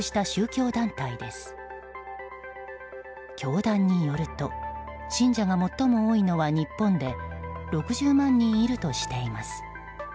教団によると信者が最も多いのは日本で６０万人いるとしています。